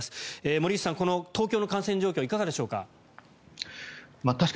森内さん、この東京の感染状況はいかがでしょうか。